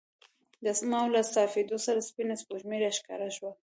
د اسمان له صافېدو سره سپینه سپوږمۍ راښکاره شوه.